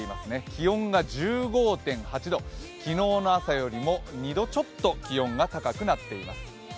気温が１５．８度、昨日の朝よりも２度ちょっと気温が高くなっています。